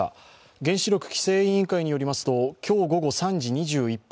原子力規制委員会によりますと今日午後３時２１分